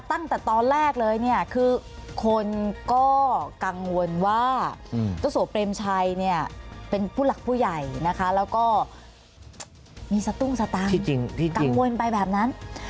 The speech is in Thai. ตั้งแต่ตอนแรกเลยเนี่ยคือคนก็กังวลว่าเจ้าสัวเปรมชัยเนี่ยเป็นผู้หลักผู้ใหญ่นะคะแล้วก็มีสตุ้งสตางค์กังวลไปแบบนั้น